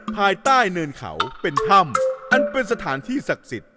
ภายใต้เนินเขาเป็นถ้ำอันเป็นสถานที่ศักดิ์สิทธิ